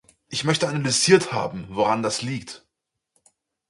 Ich möchte analysiert haben, woran das liegt.